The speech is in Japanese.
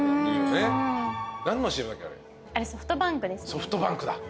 ソフトバンクだ。